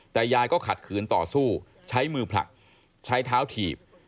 แต่ยายก็ขัดขืนต่อสู้ใช้มือผลักใช้เท้าถีบ